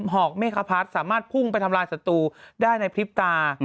หอกเมฆคพัฒน์สามารถพุ่งไปทำลายศัตรูได้ในพริบตา